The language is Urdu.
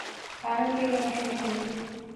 کھانوں کے لیے مشہور ہیں